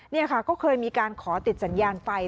นี่ค่ะก็เคยมีการขอติดสัญญาณไฟ